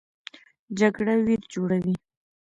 جګړه ویر جوړوي